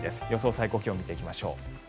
最高気温見ていきましょう。